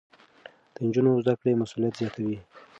د نجونو زده کړه مسؤليت زياتوي.